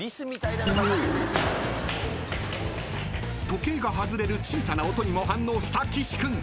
［時計が外れる小さな音にも反応した岸君］